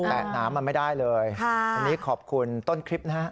น้ำมันไม่ได้เลยอันนี้ขอบคุณต้นคลิปนะฮะ